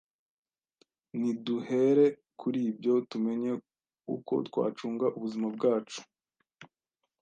Niduhere kuri ibyo, tumenye uko twacunga ubuzima bwacu